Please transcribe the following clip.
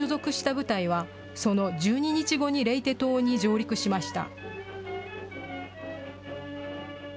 松本さんが所属した部隊は、その１２日後にレイテ島に上陸しました。